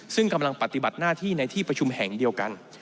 ซึ่งกำลังปฏิบัติหน้าที่ในที่ประชุมแห่งเดียวกัน